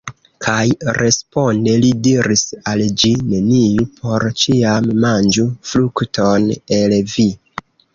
Kaj responde li diris al ĝi: Neniu por ĉiam manĝu frukton el vi.